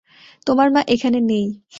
তোমার মা এখানে নেই।